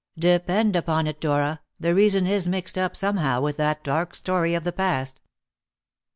Depend upon it, Dora, the reason is mixed up somehow with that dark story of the past."